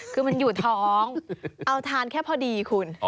คือมันอยู่ท้องเอาทานแค่พอดีคุณ